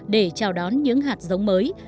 để chào đón những hạt giống mới